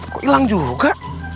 kok hilang juga